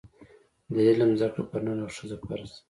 د علم زده کړه پر نر او ښځه فرض ده.